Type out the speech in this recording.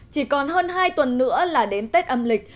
chỉ còn hơn hai tuần nữa là đến tết âm lịch